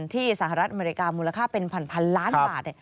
สหรัฐอเมริกามูลค่าเป็นพันล้านบาท